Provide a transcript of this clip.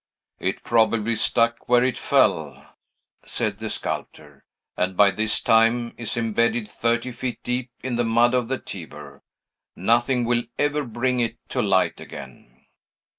"It probably stuck where it fell," said the sculptor; "and, by this time, is imbedded thirty feet deep in the mud of the Tiber. Nothing will ever bring it to light again."